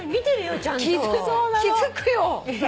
気付くよ。